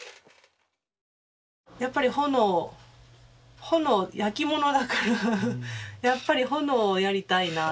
やっぱり炎炎焼き物だからやっぱり炎をやりたいなと思って。